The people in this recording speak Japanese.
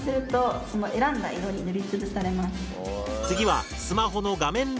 次はスマホの画面